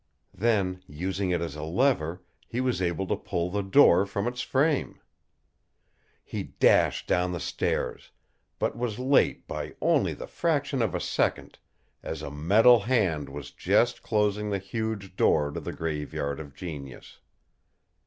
Then, using it as a lever, he was able to pull the door from its frame. He dashed down the stairs, but was late by only the fraction of a second, as a metal hand was just closing the huge door to the Graveyard of Genius.